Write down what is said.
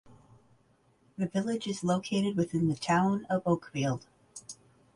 The village is located within the Town of Oakfield.